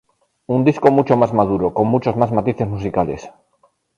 Un disco mucho más maduro, con muchos más matices musicales.